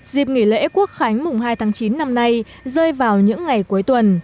dịp nghỉ lễ quốc khánh mùng hai tháng chín năm nay rơi vào những ngày cuối tuần